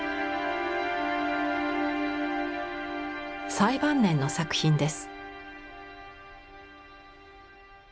最晩年の作品です。